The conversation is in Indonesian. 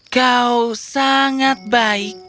kau sangat baik